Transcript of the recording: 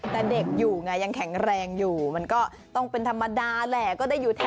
แต่เด็กอยู่ไงยังแข็งแรงอยู่มันก็ต้องเป็นธรรมดาแหละ